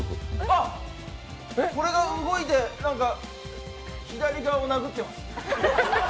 あっ、これが動いて、左側を殴ってます。